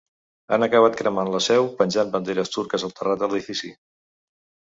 Han acabat cremant la seu i penjant banderes turques al terrat de l’edifici.